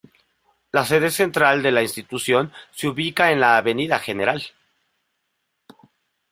La sede central de la institución se ubica en la Avenida Gral.